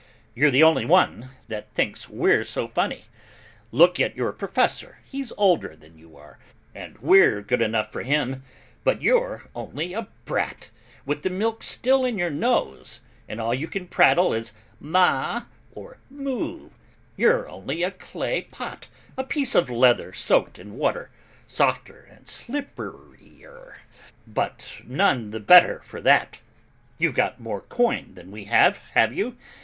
You're the only one that thinks we're so funny; look at your professor, he's older than you are, and we're good enough for him, but you're only a brat with the milk still in your nose and all you can prattle is 'ma' or 'mu,' you're only a clay pot, a piece of leather soaked in water, softer and slipperier, but none the better for that. You've got more coin than we have, have you?